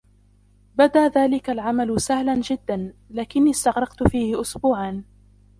بدى ذلك العمل سهلا جدا، لكني استغرقت فيه أسبوعا.